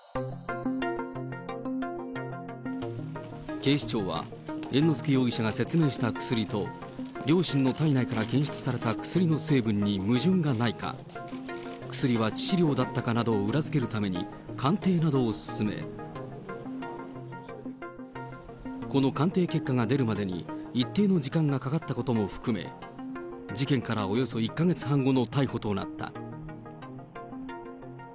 警視庁は、猿之助容疑者が説明した薬と、両親の体内から検出された薬の成分に矛盾がないか、薬は致死量だったかなどを裏付けるために鑑定などを進め、この鑑定結果が出るまでに一定の時間がかかったことも含め、事件からおよそ１か月半後の逮捕となった。